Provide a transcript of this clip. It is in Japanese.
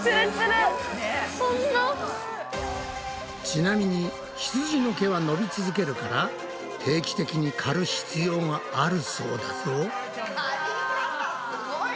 ちなみにひつじの毛は伸び続けるから定期的にかる必要があるそうだぞ。